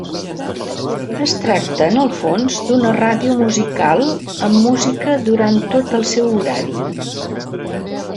Es tracta, en el fons, d'una ràdio musical, amb música durant tot el seu horari.